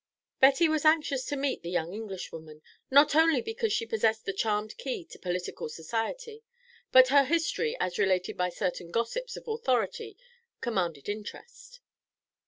Betty was anxious to meet the young Englishwoman, not only because she possessed the charmed key to political society, but her history as related by certain gossips of authority commanded interest.